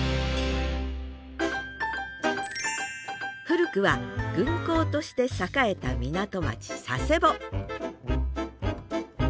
古くは軍港として栄えた港町佐世保